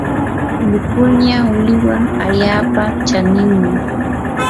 wikuña millwa allaapa chaninmi.